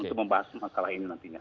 untuk membahas masalah ini nantinya